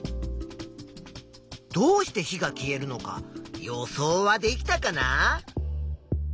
どうして火が消えるのか予想はできたかな？